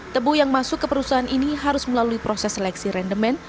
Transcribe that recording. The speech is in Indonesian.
tebu yang masuk ke perusahaan ini harus melalui proses seleksi rendemen